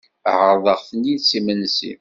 Ɛerḍeɣ-ten-id s imensi.